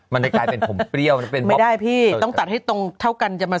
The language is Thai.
มันจะกลายเป็นผมเปรี้ยวมันเป็นไปไม่ได้พี่ต้องตัดให้ตรงเท่ากันจะมา